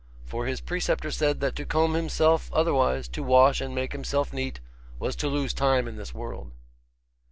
For his preceptor said that to comb himself otherwise, to wash and make himself neat, was to lose time in this world.